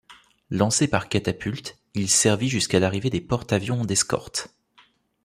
Lancé par catapulte, il servit jusqu'à l'arrivée des porte-avions d'escorte.